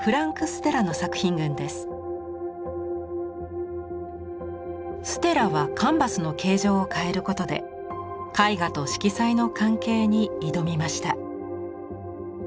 ステラはカンバスの形状を変えることで絵画と色彩の関係に挑みました。